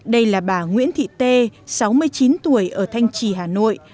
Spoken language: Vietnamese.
đây là bà nguyễn thị tê sáu mươi chín tuổi ở thanh trì hà nội